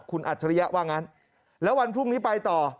คุณอัจฉริยะว่างั้นแล้ววันพรุ่งนี้ไปต่อ